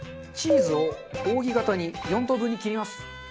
チーズを扇形に４等分に切ります。